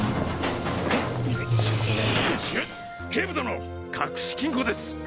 警部殿隠し金庫です！